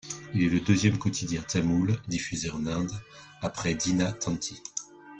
Il est le deuxième quotidien tamoul diffusé en Inde après Dina Thanthi.